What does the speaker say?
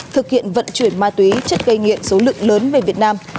thực hiện vận chuyển ma túy chất gây nghiện số lượng lớn về việt nam